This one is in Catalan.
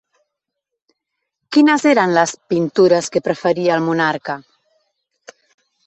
Quines eren les pintures que preferia el monarca?